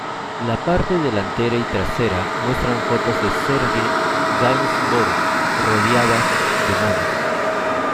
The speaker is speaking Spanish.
La parte delantera y trasera muestran fotos de Serge Gainsbourg rodeadas de monos.